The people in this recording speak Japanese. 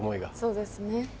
そうですね。